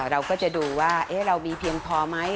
เราก็จะดูว่าเรามีเพียงพอไหม